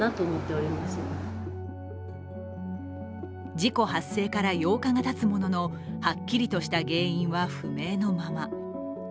事故発生から８日がたつもののはっきりとした原因は不明のまま。